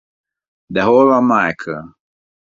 De hol van Michael?